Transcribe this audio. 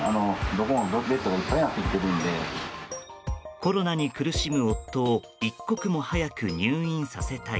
コロナに苦しむ夫を一刻も早く入院させたい。